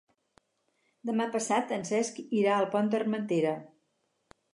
Demà passat en Cesc irà al Pont d'Armentera.